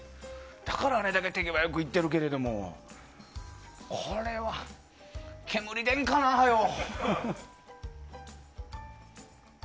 だから、あれだけ手際良くいってるけれど。これは出んかな、はよ。